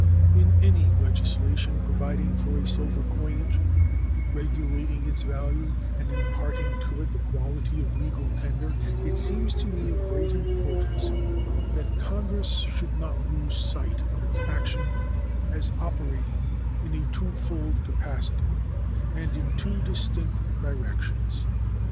In any legislation providing for a silver coinage, regulating its value, and imparting to it the quality of legal tender, it seems to me of great importance that Congress should not lose sight of its action as operating in a twofold capacity and in two distinct directions.